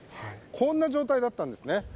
こんな状態だったんですね。